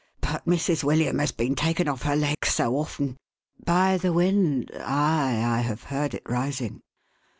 But Mrs. William has been taken off' her legs so often "" By the wind ? Ay ! I have heard it rising."